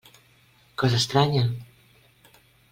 Cosa estranya!